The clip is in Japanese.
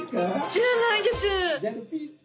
「知らないです！」。